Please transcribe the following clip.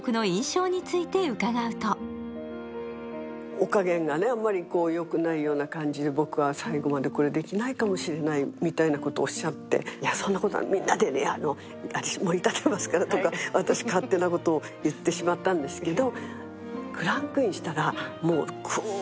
おかげんがあまり良くないような感じで僕は最後までこれできないかもしんないみたいなことをおっしゃっていや、そんなことない、みんなで盛りたてますからとか、私、勝手なことを言ってしまったんですけど。